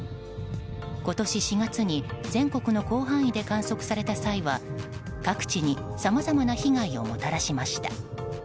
今年４月に全国の広範囲で観測された際には各地にさまざまな被害をもたらしました。